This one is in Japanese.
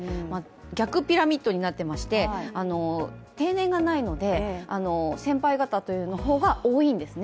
逆ピラミッドになっていまして定年がないので、先輩方という方が多いんですね。